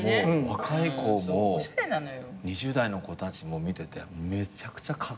若い子も２０代の子たちも見ててめちゃくちゃカッコイイって。